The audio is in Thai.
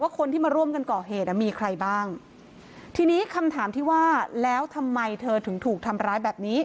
คนที่มาร่วมกันก่อเหตุอ่ะมีใครบ้างทีนี้คำถามที่ว่าแล้วทำไมเธอถึงถูกทำร้ายแบบนี้